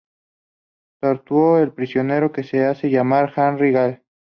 Torturó al prisionero que se hacía llamar Henry Gale.